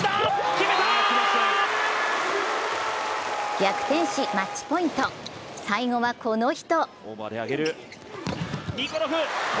逆転しマッチポイント、最後はこの人。